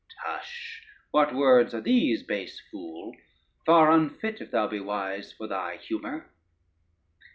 Tush, what words are these, base fool, far unfit (if thou be wise) for thy humor?